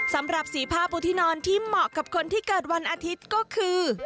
สำหรับสีผ้าปูที่นอนที่เหมาะกับคนที่เกิดวันอาทิตย์ก็คือ